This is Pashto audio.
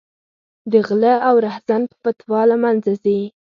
د غله او رحزن په فتوا له منځه ځي.